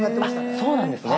そうなんですね。